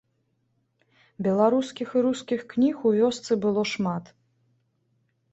Беларускіх і рускіх кніг у вёсцы было шмат.